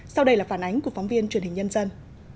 sau đây là phản ánh của phóng viên truyền hình nhân dân